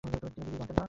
তিনি নিজেই জানতেন না।